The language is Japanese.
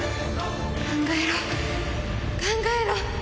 考えろ考えろ！